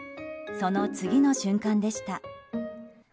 その次の瞬間でした。